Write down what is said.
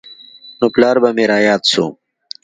نو پلار به مې راياد سو.